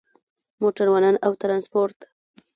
موټروان او ترانسپورت